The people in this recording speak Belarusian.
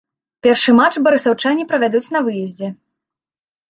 Першы матч барысаўчане правядуць на выездзе.